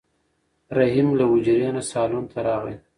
رحیم له حجرې نه صالون ته راغی.